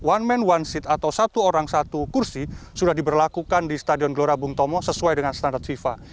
one man one seat atau satu orang satu kursi sudah diberlakukan di stadion gelora bung tomo sesuai dengan standar fifa